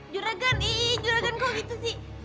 juragan ih juragan kok gitu sih